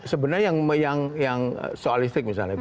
sebenarnya yang soal listrik misalnya